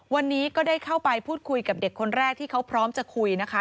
วันนี้ก็ได้เข้าไปพูดคุยกับเด็กคนแรกที่เขาพร้อมจะคุยนะคะ